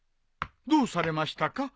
どうされましたか？